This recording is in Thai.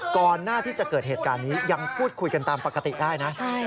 ก่อนหน้าที่จะเกิดเหตุการณ์นี้ยังพูดคุยกันตามปกติได้นะ